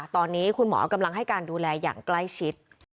ตอนนี้คุณหมอกำลังให้การดูแลอย่างใกล้ชิด